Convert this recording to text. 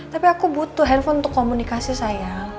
tapi aku butuh handphone untuk komunikasi saya